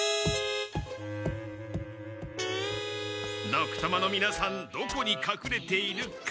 ドクたまのみなさんどこに隠れているか。